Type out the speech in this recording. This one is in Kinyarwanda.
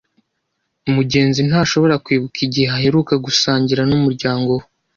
Mugenzi ntashobora kwibuka igihe aheruka gusangira n'umuryango we.